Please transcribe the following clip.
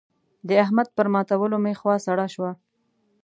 د احمد پر ماتولو مې خوا سړه شوه.